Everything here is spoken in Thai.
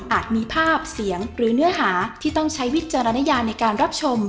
มีภาพเสียงหรือเนื้อหาที่ต้องใช้วิจารณญาในการรับชม